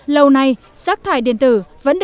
lâu nay rác thải điện tử vẫn được dùng để khai thác điện tử